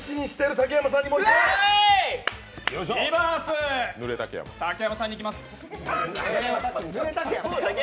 竹山さんにいきます。